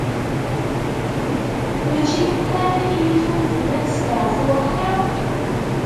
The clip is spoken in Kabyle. Mačči lukan iyi-tunfem ad staɛfuɣ axir?